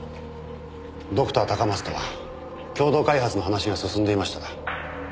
ドクター高松とは共同開発の話が進んでいました。